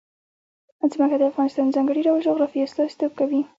ځمکه د افغانستان د ځانګړي ډول جغرافیه استازیتوب کوي.